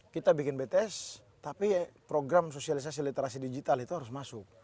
kita bikin bts tapi program sosialisasi literasi digital itu harus masuk